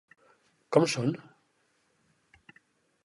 Com són?